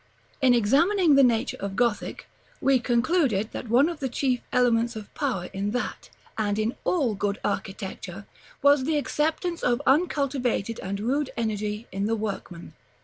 In examining the nature of Gothic, we concluded that one of the chief elements of power in that, and in all good architecture, was the acceptance of uncultivated and rude energy in the workman.